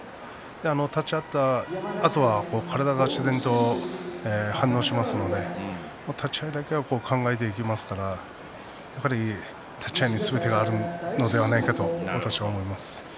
立ち合ったあとは体が自然と反応しますので立ち合いだけは考えていきますからやはり立ち合いにすべてがあるのではないかと私は思います。